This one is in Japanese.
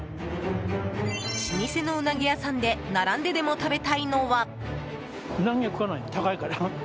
老舗のウナギ屋さんで並んででも食べたいのは。